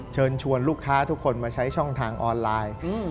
เชิญชวนลูกค้าทุกคนมาใช้ช่องทางออนไลน์